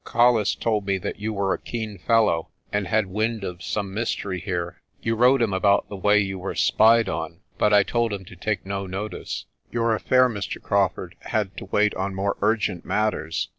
Colles told me that you were a keen fellow, and had wind of some mystery here. You wrote him about the way you were spied on, but I told him to take no notice. Your affair, Mr. Crawfurd, had to wait on more urgent matters.